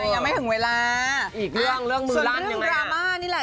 ยังไม่ถึงเวลาอีกเรื่องมือลั่นเรื่องรามานี่แหละ